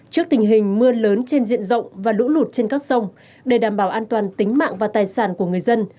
trước tình hình mưa lớn trên diện rộng và lũ lụt trên các sông để đảm bảo an toàn tính mạng và tài sản của người dân